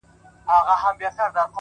هڅه د بریا قیمت دی